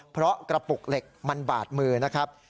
เพราะกระปุกเหล็กมันบาดมือนะครับ